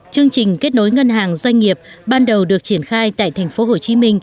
chương trình kết nối ngân hàng doanh nghiệp ban đầu được triển khai tại tp hcm